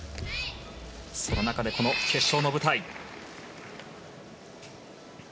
その中でこの決勝の舞台。